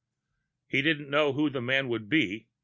He didn't know who that man would be.